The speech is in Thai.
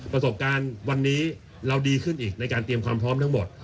ประสบการณ์วันนี้เราดีขึ้นอีกในการเตรียมความพร้อมทั้งหมด